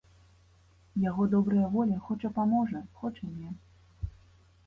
Яго добрая воля, хоча паможа, хоча не.